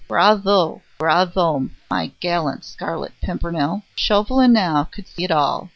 Bravo! bravo! my gallant Scarlet Pimpernel! Chauvelin now could see it all.